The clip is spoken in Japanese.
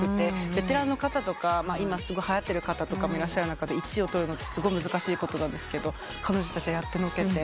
ベテランの方とか今すごいはやってる方とかもいらっしゃる中で１位を取るのってすごい難しいことなんですが彼女たちはやってのけて。